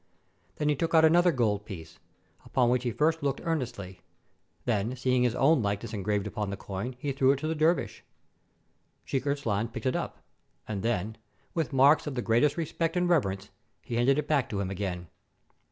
Then he took out another gold piece, upon which he first looked earnestly; then, seeing his own like ness engraved upon the coin, he threw it to the dervish. Sheik Irzlan picked it up, and then, with marks of the greatest respect and reverence, he handed it back to him again.